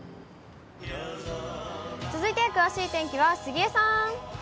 続いて詳しい天気は杉江さん。